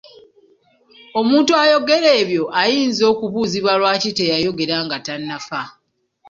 Omuntu ayogera ebyo ayinza okubuuzibwa lwaki teyayogera nga tannafa?